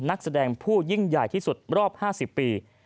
นักแสดงผู้ยิ่งใหญ่ที่สุดรอบ๕๐ปี